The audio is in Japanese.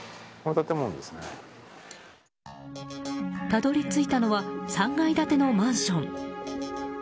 たどり着いたのは３階建てのマンション。